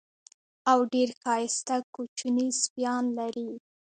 او ډېر ښایسته کوچني سپیان لري.